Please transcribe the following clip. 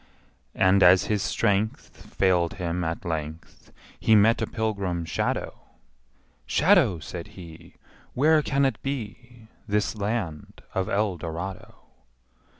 And, as his strength Failed him at length, He met a pilgrim shadow: ``Shadow,'' says he, ``Where can it be, This land of Eldorado?''